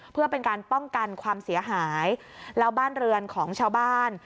เพื่อเป็นการป้องกันความเสียหายแล้วบ้านเรือนของชาวบ้าน